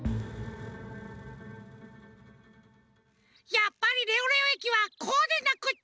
やっぱりレオレオえきはこうでなくっちゃ！